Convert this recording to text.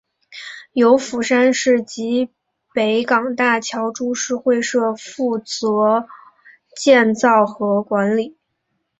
由釜山市及北港大桥株式会社负责建造和管理。